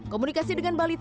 komunikasi dengan balita